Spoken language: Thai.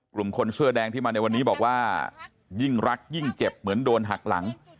คนเสื้อแดงที่มาในวันนี้บอกว่ายิ่งรักยิ่งเจ็บเหมือนโดนหักหลัง